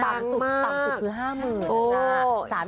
ต่ำสุดต่ำสุดคือ๕หมื่น